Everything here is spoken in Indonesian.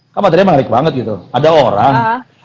kan materinya menarik banget gitu ada orang